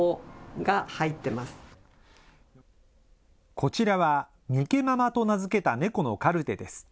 こちらは、ミケママと名付けた猫のカルテです。